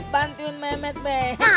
jangan lebih deh